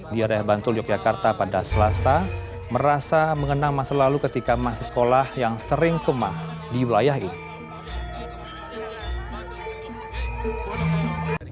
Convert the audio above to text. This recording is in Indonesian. di area bantul yogyakarta pada selasa merasa mengenang masa lalu ketika masih sekolah yang sering kemah di wilayah ini